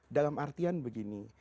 dalam artian begini